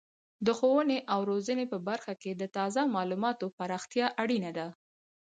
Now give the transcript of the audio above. د ښوونې او روزنې په برخه کې د تازه معلوماتو پراختیا اړینه ده.